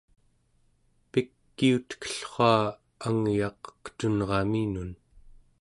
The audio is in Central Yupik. pikiutekellrua angyaq qetunraminun